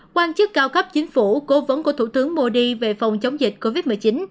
quan chức cao cấp chính phủ cố vấn của thủ tướng modi về phòng chống dịch covid một mươi chín